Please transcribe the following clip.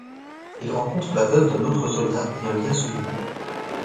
Il rencontre la veuve d'un autre soldat et un lien se noue.